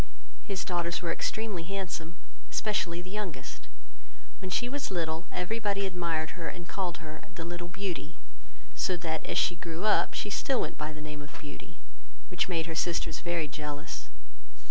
His daughters were extremely handsome, especially the youngest; when she was little, every body admired her, and called her The little Beauty; so that, as she grew up, she still went by the name of Beauty, which made her sisters very jealous.